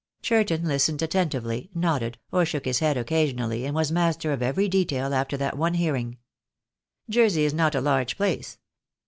Churton listened attentively, nodded, or shook his head occasionally, and was master of every detail after that one hearing. "Jersey is not a large place.